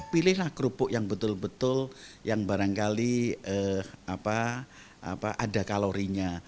pilihlah kerupuk yang betul betul yang barangkali ada kalorinya